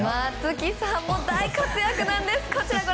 松木さんも大活躍なんです。